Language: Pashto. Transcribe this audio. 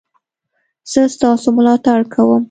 زه ستاسو ملاتړ کوم